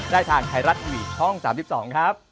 ได้ทางไทยรัฐทีวีช่อง๓๒ครับ